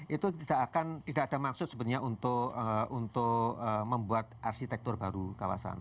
itu tidak akan tidak ada maksud sebenarnya untuk membuat arsitektur baru kawasan